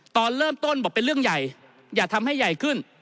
ตอนเริ่มต้นบอกเป็นเรื่องใหญ่อย่าทำให้ใหญ่ขึ้น